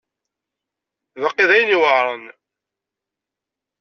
Baqi d ayen yuεren.